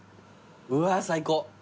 うわ最高。